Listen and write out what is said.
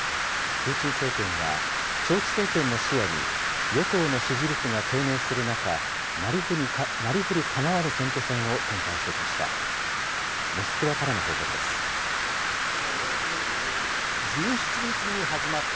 プーチン政権は、長期政権も視野に、与党の支持率が低迷する中、なりふり構わぬ選挙戦を展開してきました。